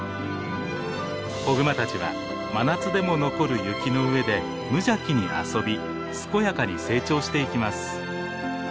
子グマたちは真夏でも残る雪の上で無邪気に遊び健やかに成長していきます。